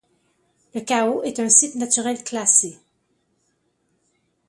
Le chaos est un site naturel classé.